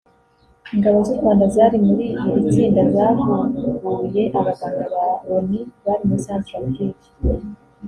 Ingabo z’u Rwanda zari muri iri tsinda zahuguye abaganga ba Loni bari muri Centrafrique